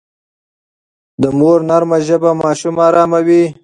د مور نرمه ژبه ماشوم اراموي.